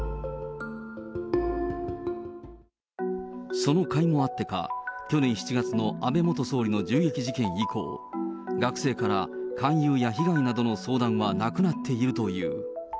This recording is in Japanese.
そのかいもあってか、去年７月の安倍元総理の銃撃事件以降、学生から勧誘や被害などの相談はなくなっているという。